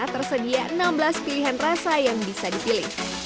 tersedia enam belas pilihan rasa yang bisa dipilih